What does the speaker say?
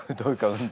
うん。